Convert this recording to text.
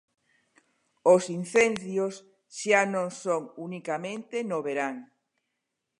Os incendios xa non son unicamente no verán.